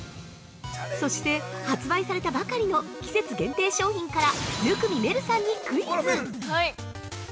そして、発売されたばかりの季節限定商品から生見愛瑠さんにクイズ！